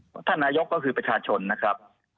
เพราะท่านนายกก็คือประชาชนนะครับ